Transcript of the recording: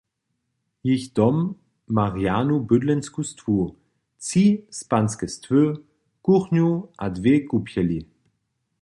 Jich dom ma rjanu bydlensku stwu, tři spanske stwy, kuchnju a dwě kupjeli.